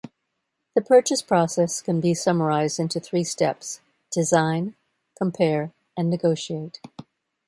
The purchase process can be summarized into three steps: Design, Compare and Negotiate.